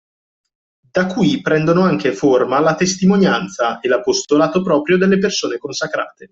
Di qui prendono anche forma la testimonianza e l'apostolato proprio delle persone consacrate.